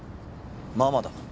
まあまあだ。